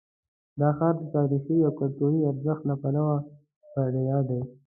دا ښار د تاریخي او کلتوري ارزښت له پلوه بډایه دی.